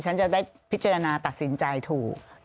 ฉันจะได้พิจารณาตัดสินใจถูก